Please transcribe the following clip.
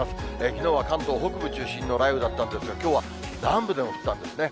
きのうは関東北部中心の雷雨だったんですが、きょうは南部でも降ったんですね。